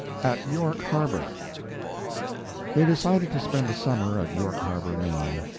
AT YORK HARBOR They decided to spend the summer at York Harbor, Maine.